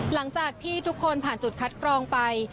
หลังจากที่ทุกคนผ่านจุดคัดกรองไป